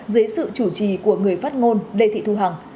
dưới sự chủ trì của người phát ngôn lê thị thu hằng